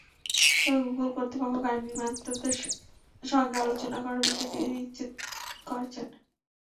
তবে গুগল কর্তৃপক্ষ গাড়ি নির্মাতাদের সঙ্গে আলোচনা করার বিষয়টি নিশ্চিত করেছে।